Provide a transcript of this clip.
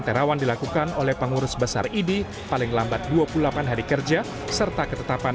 terawan dilakukan oleh pengurus besar idi paling lambat dua puluh delapan hari kerja serta ketetapan